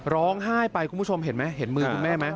ร้องไห้ไปคุณผู้ชมเห็นไหมเห็นมือคุณแม่ไหม